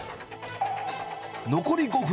残り５分。